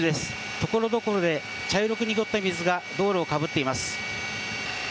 ところどころで茶色く濁った水が道路を、かぶっています。